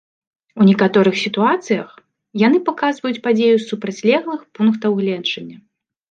У некаторых сітуацыях яны паказваюць падзею з супрацьлеглых пунктаў гледжання.